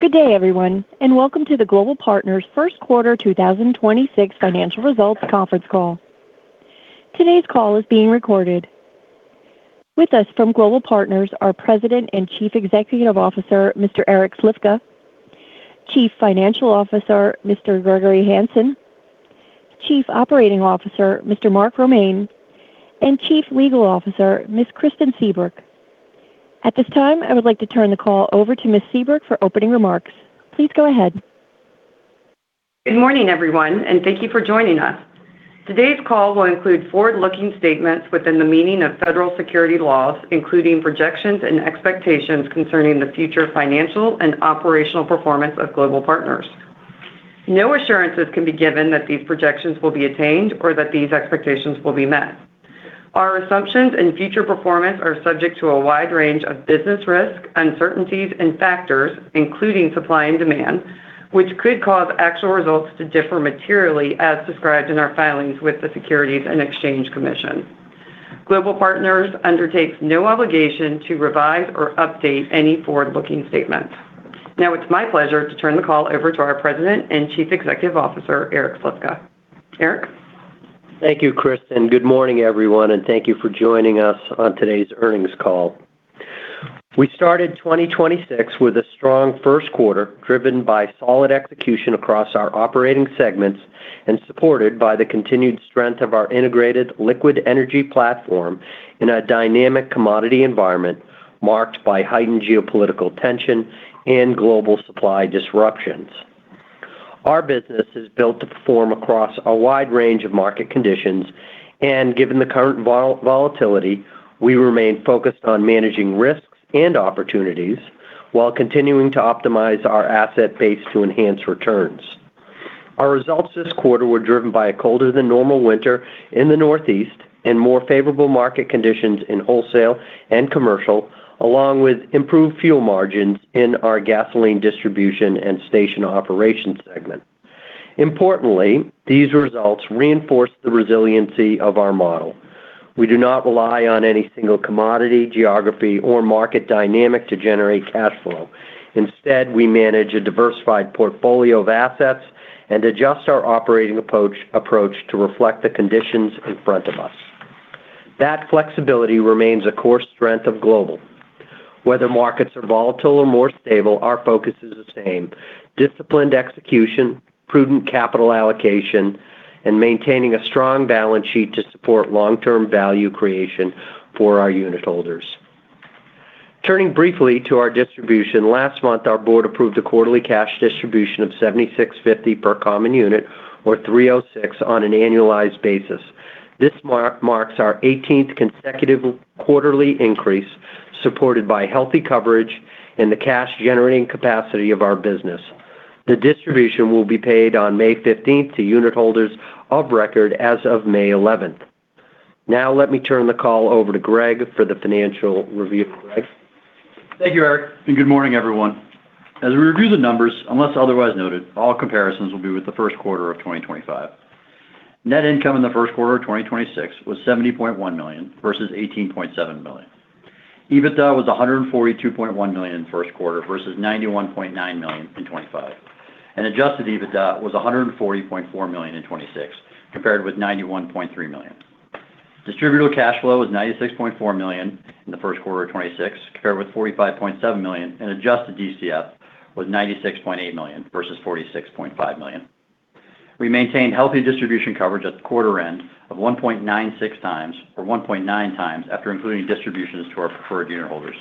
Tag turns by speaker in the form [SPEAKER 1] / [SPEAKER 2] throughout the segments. [SPEAKER 1] Good day, everyone, welcome to the Global Partners Q1 2026 financial results conference call. Today's call is being recorded. With us from Global Partners are President and Chief Executive Officer, Mr. Eric Slifka, Chief Financial Officer, Mr. Gregory B. Hanson, Chief Operating Officer, Mr. Mark Romaine, and Chief Legal Officer, Ms. Kristin Seabrook. At this time, I would like to turn the call over to Ms. Seabrook for opening remarks. Please go ahead.
[SPEAKER 2] Good morning, everyone, and thank you for joining us. Today's call will include forward-looking statements within the meaning of federal security laws, including projections and expectations concerning the future financial and operational performance of Global Partners. No assurances can be given that these projections will be attained or that these expectations will be met. Our assumptions and future performance are subject to a wide range of business risks, uncertainties and factors, including supply and demand, which could cause actual results to differ materially as described in our filings with the Securities and Exchange Commission. Global Partners undertakes no obligation to revise or update any forward-looking statements. Now it's my pleasure to turn the call over to our President and Chief Executive Officer, Eric Slifka. Eric?
[SPEAKER 3] Thank you, Kristin. Good morning, everyone, and thank you for joining us on today's earnings call. We started 2026 with a strong Q1, driven by solid execution across our operating segments and supported by the continued strength of our integrated liquid energy platform in a dynamic commodity environment marked by heightened geopolitical tension and global supply disruptions. Our business is built to perform across a wide range of market conditions, given the current volatility, we remain focused on managing risks and opportunities while continuing to optimize our asset base to enhance returns. Our results this quarter were driven by a colder than normal winter in the Northeast and more favorable market conditions in wholesale and commercial, along with improved fuel margins in our gasoline distribution and station operations segment. Importantly, these results reinforce the resiliency of our model. We do not rely on any single commodity, geography, or market dynamic to generate cash flow. Instead, we manage a diversified portfolio of assets and adjust our operating approach to reflect the conditions in front of us. That flexibility remains a core strength of Global. Whether markets are volatile or more stable, our focus is the same: disciplined execution, prudent capital allocation, and maintaining a strong balance sheet to support long-term value creation for our unit holders. Turning briefly to our distribution, last month our board approved a quarterly cash distribution of $0.7650 per common unit or $3.06 on an annualized basis. This marks our eighteenth consecutive quarterly increase, supported by healthy coverage and the cash-generating capacity of our business. The distribution will be paid on May fifteenth to unit holders of record as of May 11th. Now let me turn the call over to Gregory for the financial review. Gregory?
[SPEAKER 4] Thank you, Eric. Good morning, everyone. As we review the numbers, unless otherwise noted, all comparisons will be with the Q1 of 2025. Net income in the Q1 of 2026 was $70.1 million versus $18.7 million. EBITDA was $142.1 million in the Q1 versus $91.9 million in 2025. Adjusted EBITDA was $140.4 million in 2026, compared with $91.3 million. Distributable cash flow was $96.4 million in the Q1 of 2026, compared with $45.7 million. Adjusted DCF was $96.8 million versus $46.5 million. We maintained healthy distribution coverage at the quarter end of 1.96 times or 1.9 times after including distributions to our preferred unit holders.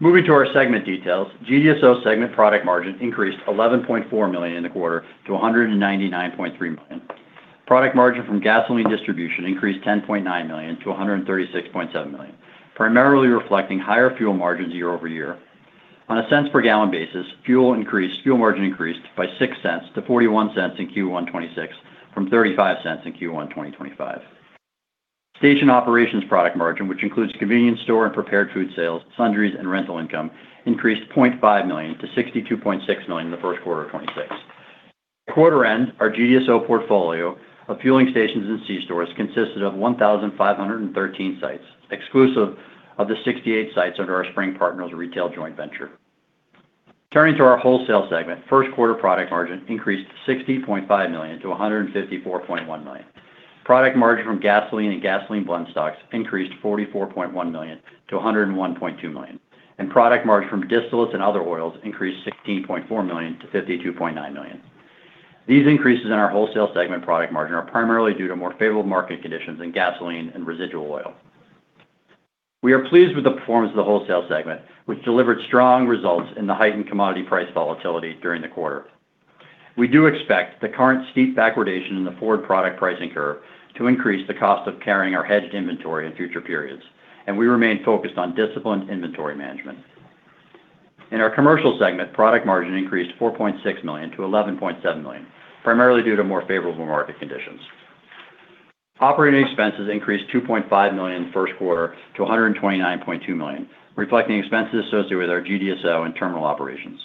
[SPEAKER 4] Moving to our segment details, GDSO segment product margin increased $11.4 million in the quarter to $199.3 million. Product margin from gasoline distribution increased $10.9 million to $136.7 million, primarily reflecting higher fuel margins year-over-year. On a cents per gallon basis, fuel margin increased by $0.06 to $0.41 in Q1 2026 from $0.35 in Q1 2025. Station operations product margin, which includes convenience store and prepared food sales, sundries, and rental income, increased $0.5 million to $62.6 million in the Q1 of 2026. Quarter-end, our GDSO portfolio of fueling stations and C-stores consisted of 1,513 sites, exclusive of the 68 sites under our Spring Partners Retail joint venture. Turning to our wholesale segment, first quarter product margin increased $60.5 million to $154.1 million. Product margin from gasoline and gasoline blend stocks increased $44.1 million to $101.2 million, and product margin from distillates and other oils increased $16.4 million to $52.9 million. These increases in our wholesale segment product margin are primarily due to more favorable market conditions in gasoline and residual oil. We are pleased with the performance of the wholesale segment, which delivered strong results in the heightened commodity price volatility during the quarter. We do expect the current steep backwardation in the forward product pricing curve to increase the cost of carrying our hedged inventory in future periods, and we remain focused on disciplined inventory management. In our commercial segment, product margin increased $4.6 million to $11.7 million, primarily due to more favorable market conditions. Operating expenses increased $2.5 million in the Q1 to $129.2 million, reflecting expenses associated with our GDSO and terminal operations.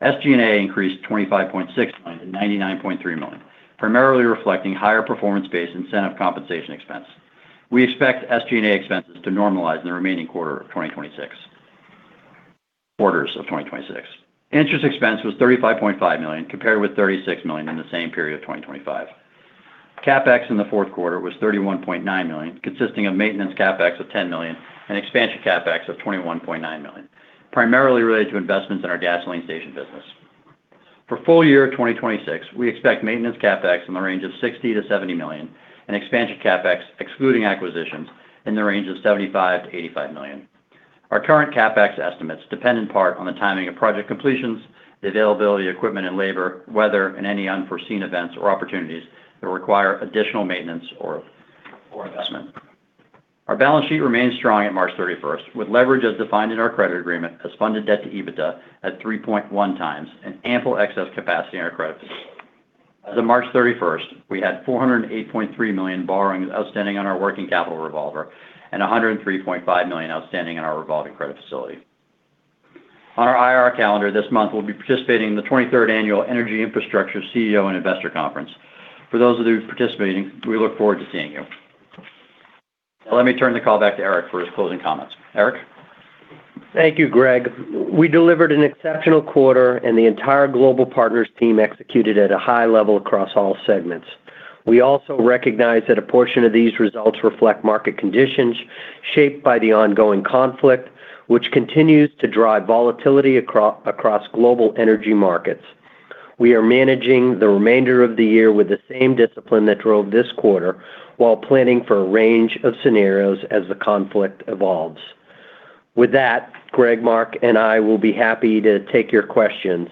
[SPEAKER 4] SG&A increased to $25.6 million to $99.3 million, primarily reflecting higher performance-based incentive compensation expense. We expect SG&A expenses to normalize in the remaining quarter of 2026. Interest expense was $35.5 million compared with $36 million in the same period of 2025. CapEx in the Q4 was $31.9 million, consisting of maintenance CapEx of $10 million and expansion CapEx of $21.9 million, primarily related to investments in our gasoline station business. For full year 2026, we expect maintenance CapEx in the range of $60 million to $70 million and expansion CapEx, excluding acquisitions, in the range of $75 million to $85 million. Our current CapEx estimates depend in part on the timing of project completions, the availability of equipment and labor, weather, and any unforeseen events or opportunities that require additional maintenance or investment. Our balance sheet remains strong at March 31st, with leverage as defined in our credit agreement as funded debt to EBITDA at 3.1x an ample excess capacity in our credit facility. As of March 31st, we had $408.3 million borrowings outstanding on our working capital revolver and $103.5 million outstanding in our revolving credit facility. On our IR calendar this month, we'll be participating in the 23rd Annual Energy Infrastructure CEO & Investor Conference. For those of you participating, we look forward to seeing you. Let me turn the call back to Eric for his closing comments. Eric?
[SPEAKER 3] Thank you, Gregory. We delivered an exceptional quarter, and the entire Global Partners team executed at a high level across all segments. We also recognize that a portion of these results reflect market conditions shaped by the ongoing conflict, which continues to drive volatility across global energy markets. We are managing the remainder of the year with the same discipline that drove this quarter while planning for a range of scenarios as the conflict evolves. With that, Gregory, Mark, and I will be happy to take your questions.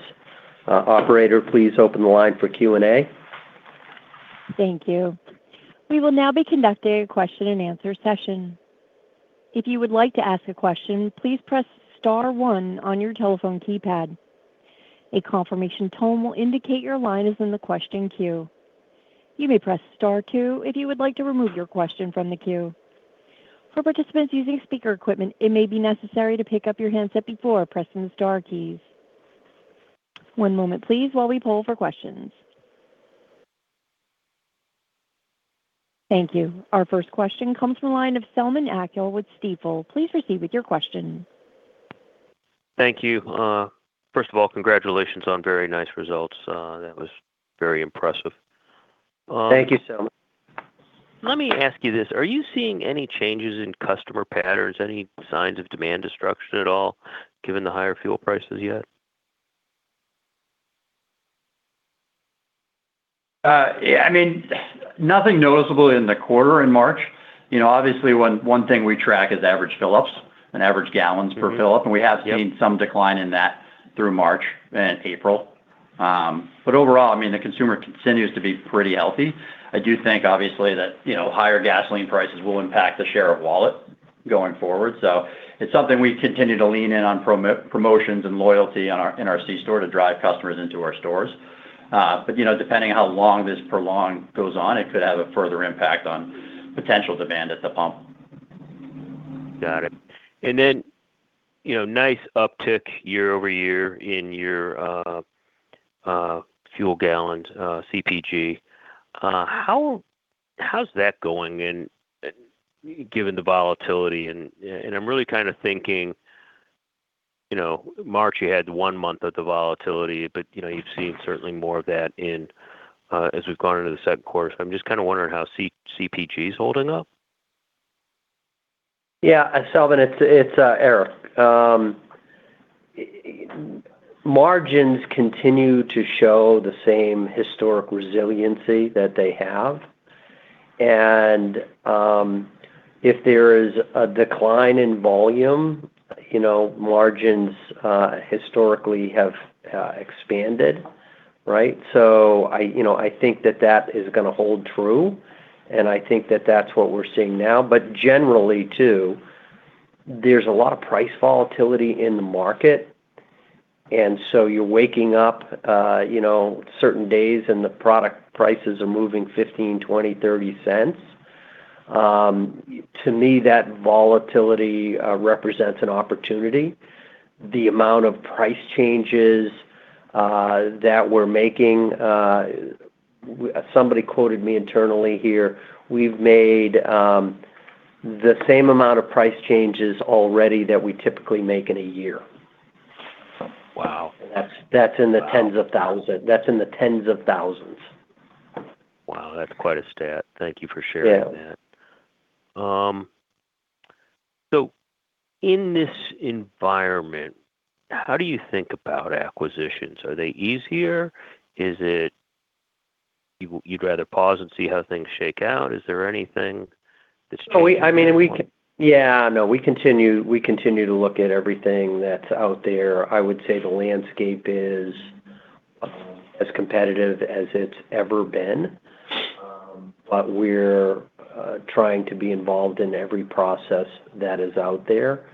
[SPEAKER 3] Operator, please open the line for Q&A.
[SPEAKER 1] Thank you. Thank you. Our first question comes from the line of Selman Akyol with Stifel. Please proceed with your question.
[SPEAKER 5] Thank you. First of all, congratulations on very nice results. That was very impressive.
[SPEAKER 3] Thank you, Selman.
[SPEAKER 5] Let me ask you this. Are you seeing any changes in customer patterns, any signs of demand destruction at all given the higher fuel prices yet?
[SPEAKER 4] Yeah, I mean, nothing noticeable in the quarter in March. You know, obviously one thing we track is average fill-ups and average gallons per fill-up, and we have seen some decline in that through March and April. Overall, I mean, the consumer continues to be pretty healthy. I do think obviously that, you know, higher gasoline prices will impact the share of wallet going forward. It's something we continue to lean in on promotions and loyalty on our in our C-store to drive customers into our stores. You know, depending on how long this prolong goes on, it could have a further impact on potential demand at the pump.
[SPEAKER 5] Got it. You know, nice uptick year-over-year in your fuel gallons, CPG. How's that going and given the volatility and I'm really kind of thinking, you know, March you had 1 month of the volatility, but, you know, you've seen certainly more of that in as we've gone into the second quarter. I'm just kinda wondering how CPG's holding up?
[SPEAKER 3] Yeah, Selman, it's Eric. Margins continue to show the same historic resiliency that they have. If there is a decline in volume, you know, margins historically have expanded, right? I, you know, I think that that is gonna hold true, and I think that that's what we're seeing now. Generally too, there's a lot of price volatility in the market, and so you're waking up, you know, certain days and the product prices are moving $0.15, $0.20, $0.30. To me, that volatility represents an opportunity. The amount of price changes that we're making, somebody quoted me internally here, we've made the same amount of price changes already that we typically make in one year.
[SPEAKER 5] Wow.
[SPEAKER 3] That's in the tens of thousands.
[SPEAKER 5] Wow, that's quite a stat. Thank you for sharing that.
[SPEAKER 3] Yeah.
[SPEAKER 5] In this environment, how do you think about acquisitions? Are they easier? Is it you'd rather pause and see how things shake out? Is there anything that's changing at this point?
[SPEAKER 3] I mean, we continue to look at everything that's out there. We're trying to be involved in every process that is out there.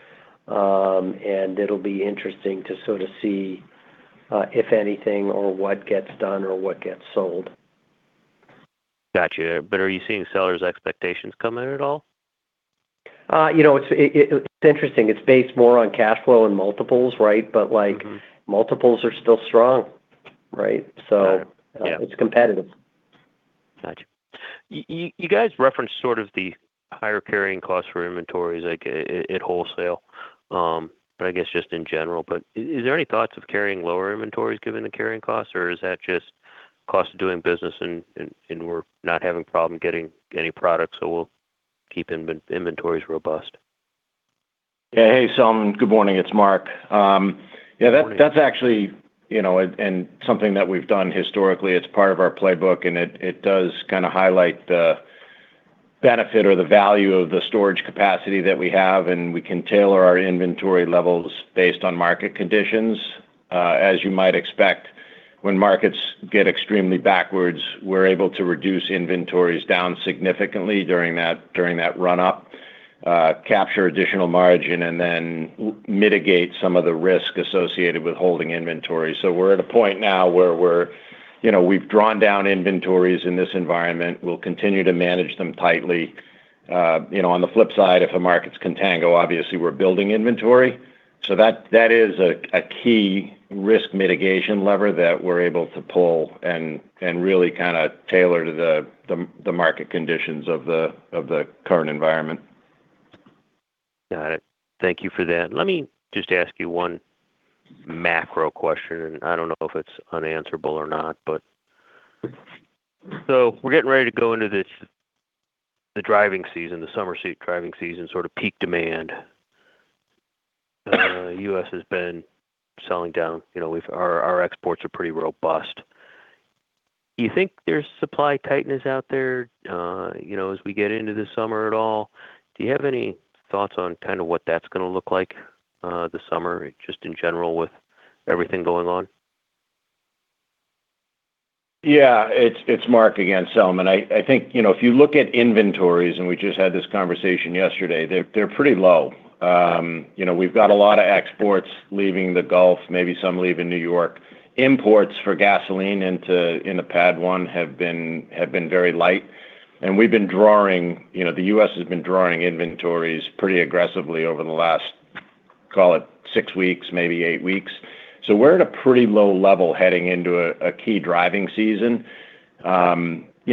[SPEAKER 3] It'll be interesting to sort of see if anything or what gets done or what gets sold.
[SPEAKER 5] Gotcha. Are you seeing sellers' expectations come in at all?
[SPEAKER 3] you know, it's interesting. It's based more on cash flow and multiples, right? multiples are still strong, right?
[SPEAKER 5] Got it. Yeah.
[SPEAKER 3] it's competitive.
[SPEAKER 5] Gotcha. You guys referenced sort of the higher carrying costs for inventories, like, at wholesale. I guess just in general. Is there any thoughts of carrying lower inventories given the carrying costs, or is that just cost of doing business and we're not having problem getting any product, so we'll keep inventories robust?
[SPEAKER 6] Yeah. Hey, Selman. Good morning, it's Mark.
[SPEAKER 5] Good morning.
[SPEAKER 6] That's actually, you know, and something that we've done historically. It's part of our playbook, and it does kind of highlight the benefit or the value of the storage capacity that we have, and we can tailor our inventory levels based on market conditions. As you might expect, when markets get extremely backwards, we're able to reduce inventories down significantly during that run up, capture additional margin, and then mitigate some of the risk associated with holding inventory. We're at a point now where we're, you know, we've drawn down inventories in this environment. We'll continue to manage them tightly. You know, on the flip side, if a market's contango, obviously we're building inventory. That is a key risk mitigation lever that we're able to pull and really kind of tailor to the market conditions of the current environment.
[SPEAKER 5] Got it. Thank you for that. Let me just ask you one macro question, and I don't know if it's unanswerable or not, but So we're getting ready to go into this, the driving season, the summer driving season, sort of peak demand. U.S. has been selling down. You know, we've our exports are pretty robust. Do you think there's supply tightness out there, you know, as we get into the summer at all? Do you have any thoughts on kind of what that's gonna look like, this summer, just in general with everything going on?
[SPEAKER 6] Yeah. It's Mark again, Selman Akyol. I think, you know, if you look at inventories, and we just had this conversation yesterday, they're pretty low. You know, we've got a lot of exports leaving the Gulf, maybe some leaving New York. Imports for gasoline into PADD 1 have been very light. We've been drawing, you know, the U.S. has been drawing inventories pretty aggressively over the last, call it 6 weeks, maybe eight weeks. We're at a pretty low level heading into a key driving season. You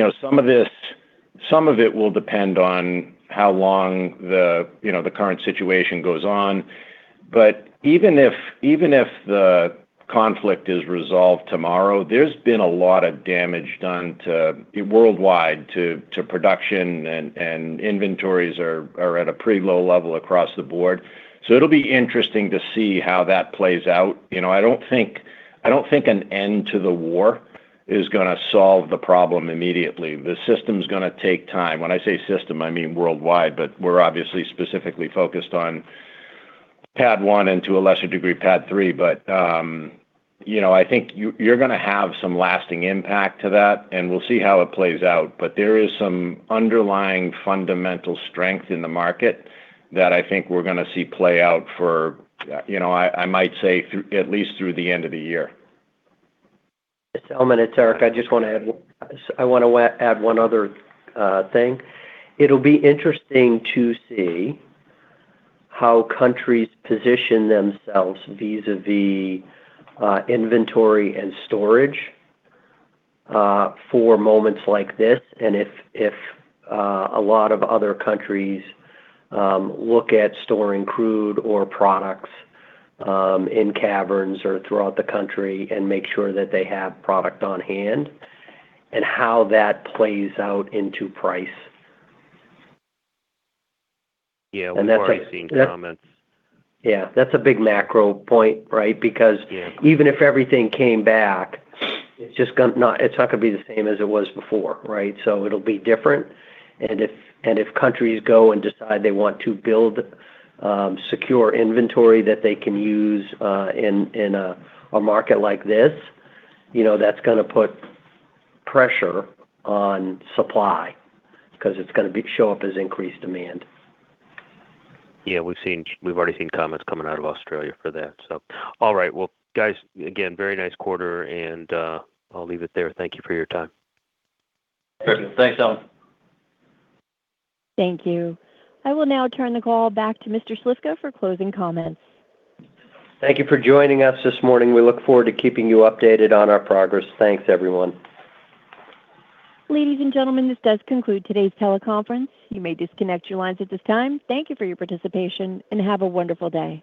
[SPEAKER 6] know, some of it will depend on how long the current situation goes on. Even if the conflict is resolved tomorrow, there's been a lot of damage done to worldwide to production and inventories are at a pretty low level across the board. It'll be interesting to see how that plays out. You know, I don't think an end to the war is gonna solve the problem immediately. The system's gonna take time. When I say system, I mean worldwide, but we're obviously specifically focused on PADD 1, and to a lesser degree, PADD 3. You know, I think you're gonna have some lasting impact to that, and we'll see how it plays out. There is some underlying fundamental strength in the market that I think we're gonna see play out for, you know, I might say through, at least through the end of the year.
[SPEAKER 3] It's Selman. It's Eric. I just wanna add one, I wanna add one other thing. It'll be interesting to see how countries position themselves vis-a-vis inventory and storage for moments like this, and if a lot of other countries look at storing crude or products in caverns or throughout the country and make sure that they have product on-hand and how that plays out into price.
[SPEAKER 5] Yeah. We've already seen comments.
[SPEAKER 3] Yeah. That's a big macro point, right?
[SPEAKER 5] Yeah
[SPEAKER 3] even if everything came back, it's just not, it's not gonna be the same as it was before, right? It'll be different. If, and if countries go and decide they want to build secure inventory that they can use in a market like this, you know, that's gonna put pressure on supply, 'cause it's gonna show up as increased demand.
[SPEAKER 5] Yeah. We've already seen comments coming out of Australia for that. All right. Well, guys, again, very nice quarter, and I'll leave it there. Thank you for your time.
[SPEAKER 6] Perfect.
[SPEAKER 3] Thanks, Selman.
[SPEAKER 1] Thank you. I will now turn the call back to Mr. Slifka for closing comments.
[SPEAKER 3] Thank you for joining us this morning. We look forward to keeping you updated on our progress. Thanks, everyone.
[SPEAKER 1] Ladies and gentlemen, this does conclude today's teleconference. You may disconnect your lines at this time. Thank you for your participation, and have a wonderful day.